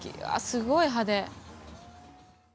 すごい派手。